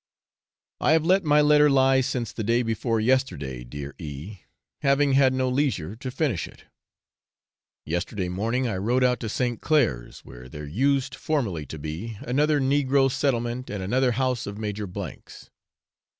I have let my letter lie since the day before yesterday, dear E , having had no leisure to finish it. Yesterday morning I rode out to St. Clair's, where there used formerly to be another negro settlement and another house of Major 's.